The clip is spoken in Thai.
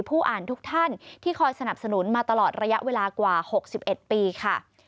อ่านทุกท่านที่คอยสนับสนุนมาตลอดระยะเวลากว่า๖๑ปีค่ะ